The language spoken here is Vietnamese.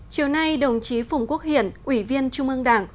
chiều nay đồng chí phùng quốc hiển ủy viên trung ương đảng